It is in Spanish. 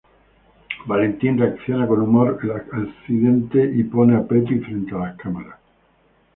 Valentin reacciona con humor el accidente y pone a Peppy frente a las cámaras.